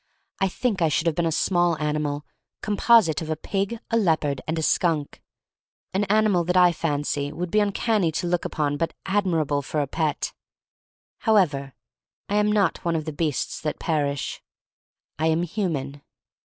I think I should have been a small ani mal composite of a pig, a leopard, and a skunk: an animal that I fancy would be uncanny to look upon but admirable for a pet. However, I am not one of the beasts that perish. I am human.